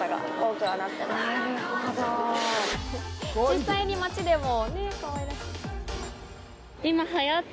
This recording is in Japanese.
実際に街でも。